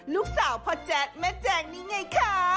ลูกสาวพ่อแจ๊คแม่แจงนี่ไงคะ